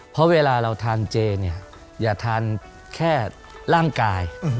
เพราะเวลาเราทานเจเนี่ยอย่าทานแค่ร่างกาย